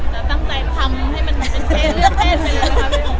แต่ตั้งใจทำให้เป็นเทต